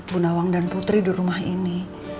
bu nawang dan putri di rumah ini